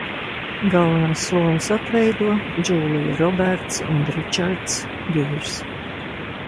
Galvenās lomas atveido Džūlija Robertsa un Ričards Gīrs.